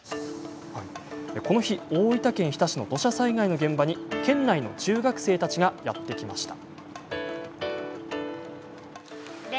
この日、大分県日田市の土砂災害の現場に県内の中学生たちがやって来ました。